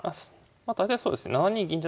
まあ大体そうです。